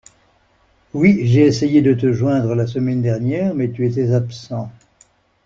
Oui, j'ai essayé de te joindre la semaine dernière, mais tu étais absent.